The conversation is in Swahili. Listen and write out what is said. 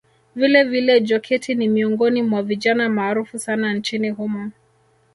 Vilevile Joketi ni miongoni mwa vijana maarufu sana nchini humo